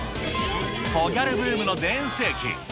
コギャルブームの全盛期。